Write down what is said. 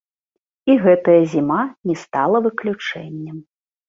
І гэтая зіма не стала выключэннем.